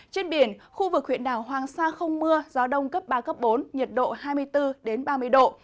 trên biển khu vực huyện đảo hoàng sa không mưa gió đông cấp ba cấp bốn nhiệt độ hai mươi bốn ba mươi độ